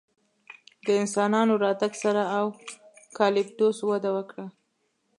د انسانانو راتګ سره اوکالیپتوس وده وکړه.